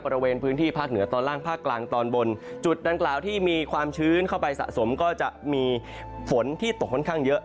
บริเวณพื้นที่ภาคเหนือตอนล่างภาคกลางตอนบนจุดดังกล่าวที่มีความชื้นเข้าไปสะสมก็จะมีฝนที่ตกค่อนข้างเยอะ